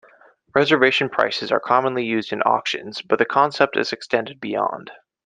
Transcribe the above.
Reservation prices are commonly used in auctions, but the concept is extended beyond.